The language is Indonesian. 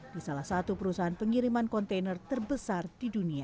di salah satu perusahaan pengiriman kontainer terbesar di dunia